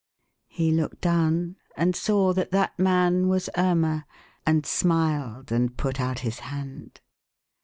He looked down and saw that that man was Irma, and smiled and put out his hand.